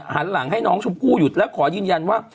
หันหลังให้น้องชมพู่หยุดแล้วขอยืนยันว่า